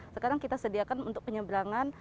sekarang kita sediakan untuk penyeberangan